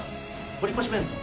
堀越弁当。